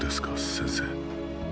先生。